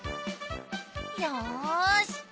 よし。